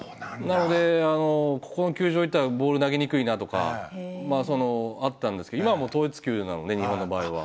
なのでここの球場行ったらボール投げにくいなとかまああったんですけど今は統一球なので日本の場合は。